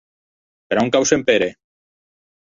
Per on cau Sempere?